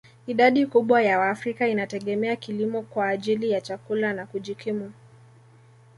Idadi kubwa ya waafrika inategemea kilimo kwa ajili ya chakula na kujikimu